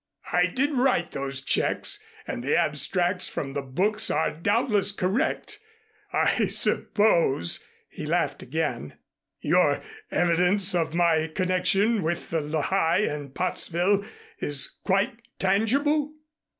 I did write those checks and the abstracts from the books are doubtless correct. I suppose," he laughed again, "your evidence of my connection with the Lehigh and Pottsville is quite tangible?"